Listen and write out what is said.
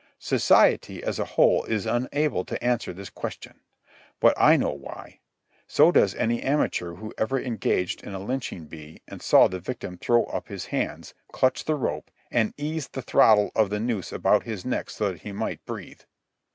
Society, as a whole, is unable to answer this question. But I know why; so does any amateur who ever engaged in a lynching bee and saw the victim throw up his hands, clutch the rope, and ease the throttle of the noose about his neck so that he might breathe.